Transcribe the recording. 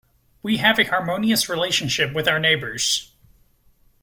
We have a harmonious relationship with our neighbours.